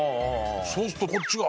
そうするとこっちが。